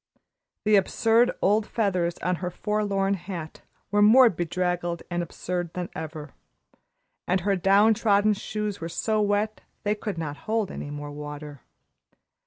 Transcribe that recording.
The absurd old feathers on her forlorn hat were more draggled and absurd than ever, and her down trodden shoes were so wet they could not hold any more water.